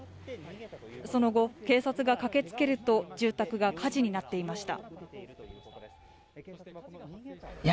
その後、警察が駆けつけると、住宅が火事になっていました。